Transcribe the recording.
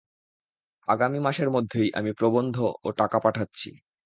আগামী মাসের মধ্যেই আমি প্রবন্ধ ও টাকা পাঠাচ্ছি।